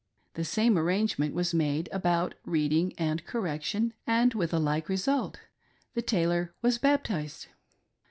The same arrangement was made about reading and correction, and with a like result— the tailor was baptized.